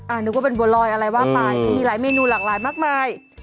นึกว่าเป็นบัวลอยอะไรว่าไปมันมีหลายเมนูหลากหลายมากมาย